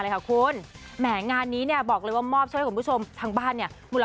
หรือแม้ก็ได้ดูบอล